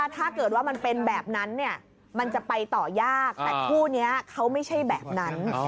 แต่ผู้เนี้ยเขาไม่ใช่แบบนั้น